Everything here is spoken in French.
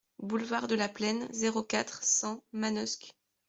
Boulevard de la Plaine, zéro quatre, cent Manosque